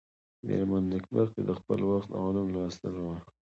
مېرمن نېکبختي د خپل وخت علوم لوستلي ول.